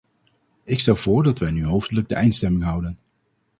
Ik stel voor dat wij nu hoofdelijk de eindstemming houden.